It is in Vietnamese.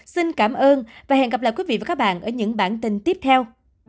xin cảm ơn và hẹn gặp lại quý vị và các bạn ở những bản tin tiếp theo